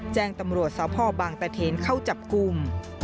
แจ้งตำรวจสพบางตะเทนเข้าจับกลุ่ม